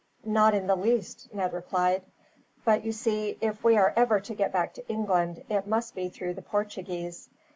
"Not in the least," Ned replied. "But you see, if we are ever to get back to England, it must be through the Portuguese.